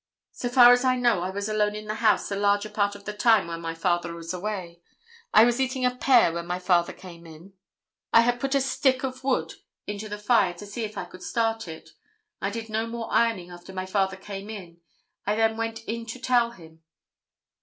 "So far as I know, I was alone in the house the larger part of the time while my father was away. I was eating a pear when my father came in. I had put a stick of wood into the fire to see if I could start it. I did no more ironing after my father came in. I then went in to tell him.